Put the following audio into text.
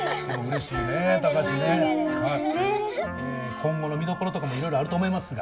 今後の見どころとかもいろいろあると思いますが。